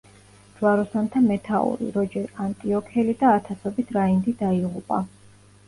ჯვაროსანთა მეთაური, როჯერ ანტიოქელი და ათასობით რაინდი დაიღუპა.